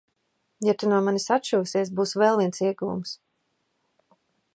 Ja tu no manis atšūsies, būs vēl viens ieguvums.